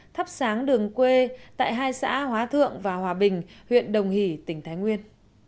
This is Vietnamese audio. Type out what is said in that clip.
thắp sáng đường quê tại hai xã hóa thượng và hòa bình huyện đồng hỷ tỉnh thái nguyên